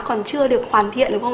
còn chưa được hoàn thiện đúng không ạ